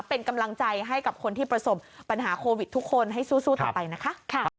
เป็นกำลังใจให้กับคนที่ประสบปัญหาโควิดทุกคนให้สู้ต่อไปนะคะ